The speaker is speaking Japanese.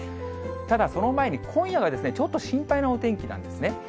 ただ、その前に今夜はちょっと心配なお天気なんですね。